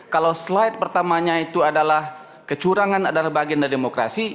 kalau slide pertamanya itu adalah kecurangan adalah bagian dari demokrasi